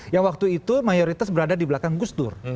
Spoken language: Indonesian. yang waktu itu mayoritas berada di belakang gus dur